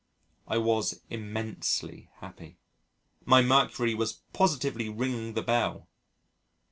I was immensely happy. My mercury was positively ringing the bell.